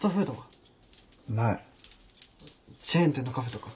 チェーン店のカフェとか？